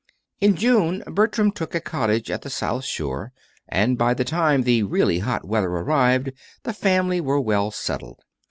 In June Bertram took a cottage at the South Shore, and by the time the really hot weather arrived the family were well settled.